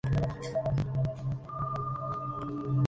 Junto a Cloud creó un negocio de entrega de paquetes del que viven.